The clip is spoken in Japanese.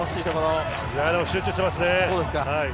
でも集中してますね。